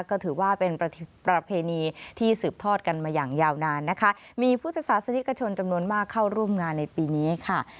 ก็ถือว่าเป็นประเพณีที่สืบทอดกันมาอย่างยาวนานนะคะมีพุทธศาสนิกชนจำนวนมากเข้าร่วมงานในปีนี้ค่ะ